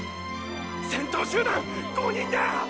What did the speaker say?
先頭集団５人だ！